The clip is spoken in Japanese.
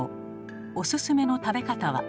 おすすめの食べ方は。